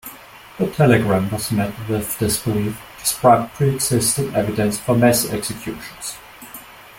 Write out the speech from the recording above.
The telegram was met with disbelief despite preexisting evidence for mass executions.